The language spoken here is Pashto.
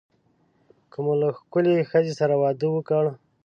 که مو له ښکلې ښځې سره واده وکړ.